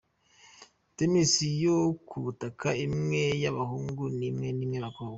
Tennis yo ku butaka imwe y’abahungu n’imwe y’abakobwa.